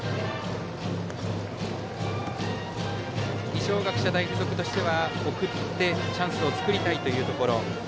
二松学舎大付属としては送ってチャンスを作りたいというところ。